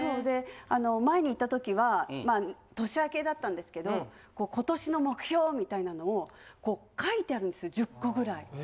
で前に行った時は年明けだったんですけど今年の目標みたいなのをこう書いてあるんですよ１０個ぐらい。